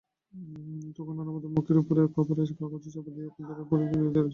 তখন অন্নদাবাবু মুখের উপরে খবরের কাগজ চাপা দিয়া কেদারায় পড়িয়া নিদ্রা দিতেছিলেন।